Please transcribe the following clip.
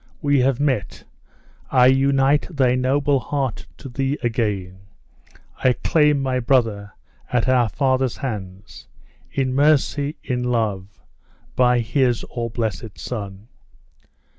We have met I unite thy noble heart to thee again I claim my brother at our Father's hands in mercy! in love by his all blessed Son!"